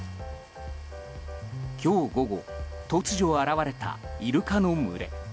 今日午後突如現れたイルカの群れ。